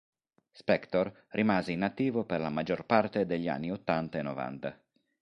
Spector rimase inattivo per la maggior parte degli anni ottanta e novanta.